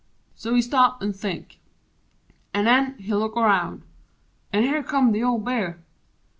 So he stop an' think: An' nen He look around An' here come th' old Bear!